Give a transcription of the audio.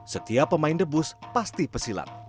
setiap pemain debus pasti pesilat